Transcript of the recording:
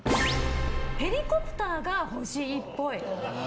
ヘリコプターが欲しいっぽい。